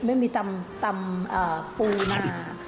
ไม่มีตำปูนา